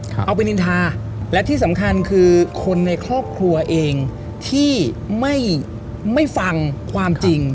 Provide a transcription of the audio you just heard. เอาไปนินทาและที่สำคัญคือคนในครอบครัวเองที่ไม่ไม่ฟังความจริง